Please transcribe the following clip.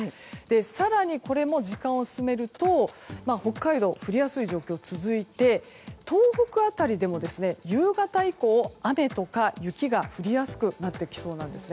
更に、これも時間を進めると北海道、降りやすい状況が続いて東北辺りでも夕方以降、雨とか雪が降りやすくなってきそうなんです。